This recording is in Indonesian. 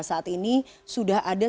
saat ini sudah ada